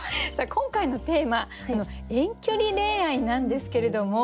今回のテーマ「遠距離恋愛」なんですけれども。